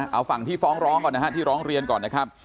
เอาฝั่งที่ฟ้องร้องก่อนนะฮะที่ร้องเรียนก่อนนะครับ